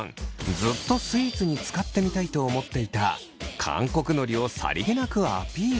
ずっとスイーツに使ってみたいと思っていた韓国のりをさりげなくアピール。